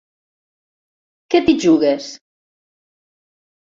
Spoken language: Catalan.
Què t'hi jugues?